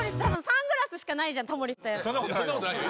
２個でそんなことないよ